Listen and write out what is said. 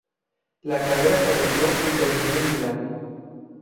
La carrera comenzó y terminó en Milán.